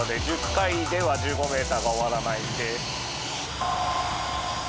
１０回では１５メーターが終わらないんで。